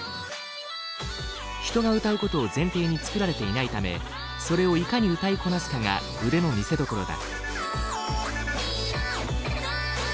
人が歌うことを前提に作られていないためそれをいかに歌いこなすかが腕の見せどころだ。